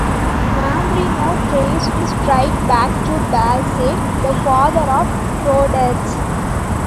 Mambrino traced straight back to Blaze, the father of trotters.